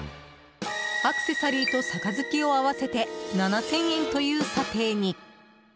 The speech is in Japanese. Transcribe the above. アクセサリーと杯を合わせて７０００円という査定に。